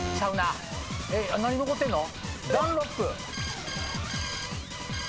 何残ってんの？